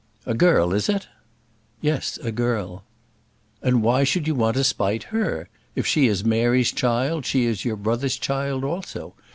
"A girl, is it?" "Yes, a girl." "And why should you want to spite her? If she is Mary's child, she is your brother's child also.